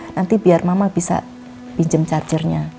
nanti biar mama bisa pinjam chargernya